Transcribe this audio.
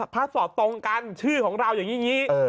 ถ้าสอบตรงกันชื่อของเราอย่างนี้